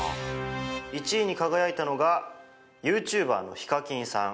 １位に輝いたのがユーチューバーのＨＩＫＡＫＩＮさん。